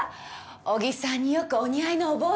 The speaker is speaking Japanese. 小木さんによくお似合いのお帽子があるの。